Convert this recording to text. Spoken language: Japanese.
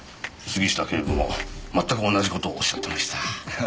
杉下警部も全く同じ事をおっしゃってました。